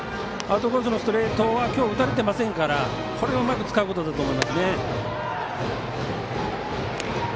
アウトコースのストレートはきょう打たれてませんからこれをうまく使うことだと思いますね。